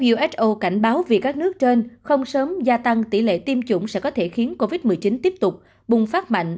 uso cảnh báo vì các nước trên không sớm gia tăng tỷ lệ tiêm chủng sẽ có thể khiến covid một mươi chín tiếp tục bùng phát mạnh